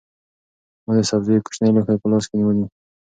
ما د سبزیو کوچنی لوښی په لاس کې ونیو.